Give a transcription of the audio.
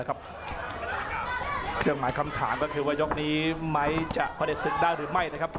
เครื่องหมายคำถามก็คือว่ายกนี้ไม้จะผลิตศึกได้หรือไม่นะครับ